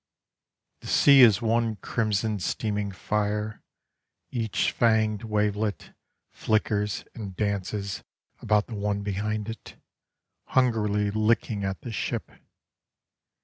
The sea is one crimson steaming fire; Each fanged wavelet Flickers and dances about the one behind it, Hungrily licking at the ship.